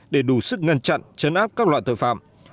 để đủ sức ngăn chặn chấn áp các loại tội phạm